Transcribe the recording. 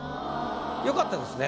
よかったですね。